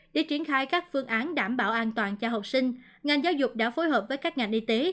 để triển khai các phương án đảm bảo an toàn cho học sinh ngành giáo dục đã phối hợp với các ngành y tế